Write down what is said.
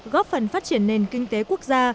góp phần phát triển nền kinh tế quốc gia